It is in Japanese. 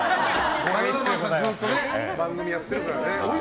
日村さんはずっと番組やってるからね。